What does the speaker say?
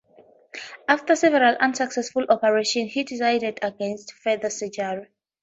After several unsuccessful operations, he decided against further surgery.